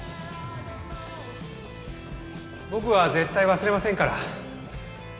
僕は絶対忘れませんから。